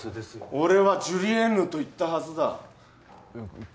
俺はジュリエンヌと言ったはずだえッ？